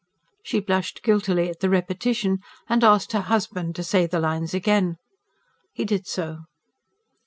She blushed guiltily at the repetition, and asked her husband to say the lines once again. He did so.